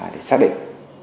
để xác định